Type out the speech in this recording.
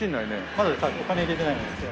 まだお金入れてないんですよ。